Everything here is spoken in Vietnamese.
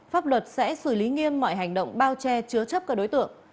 pháp luật sẽ xử lý nghiêm mọi hành động bao che chứa chấp các đối tượng